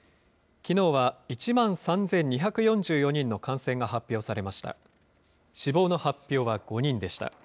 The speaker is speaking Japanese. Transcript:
きのうは１万３２４４人の感染が発表されました。